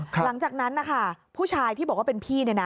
หลังจากนั้นผู้ชายที่บอกว่าเป็นพี่